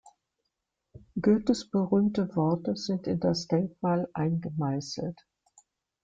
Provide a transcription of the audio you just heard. Goethes berühmte Worte sind in das Denkmal eingemeißelt.